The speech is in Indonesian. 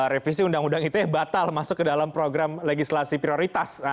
revisi undang undang ite batal masuk ke dalam program legislasi prioritas